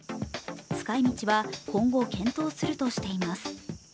使い道は今後、検討するとしています。